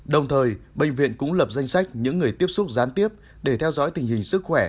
đồng thời bệnh viện cũng lập danh sách những người tiếp xúc gián tiếp để theo dõi tình hình sức khỏe